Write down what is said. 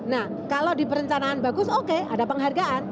nah kalau di perencanaan bagus oke ada penghargaan